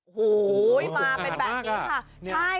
โอ้โหมาเป็นแบบนี้ค่ะใช่